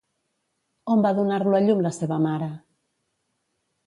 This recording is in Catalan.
On va donar-lo a llum la seva mare?